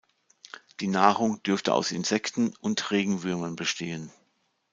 Die Nahrung dürfte aus Insekten und Regenwürmern bestehen.